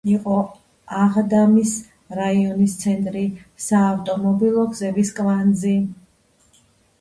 იყო აღდამის რაიონის ცენტრი, საავტომობილო გზების კვანძი.